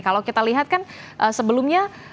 kalau kita lihat kan sebelumnya